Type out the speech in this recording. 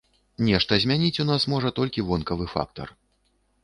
Нешта змяніць у нас можа толькі вонкавы фактар.